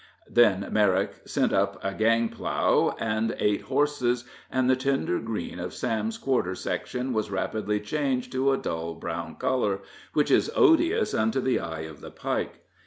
Then Merrick sent up a gang plow and eight horses, and the tender green of Sam's quarter section was rapidly changed to a dull brown color, which is odious unto the eye of the Pike.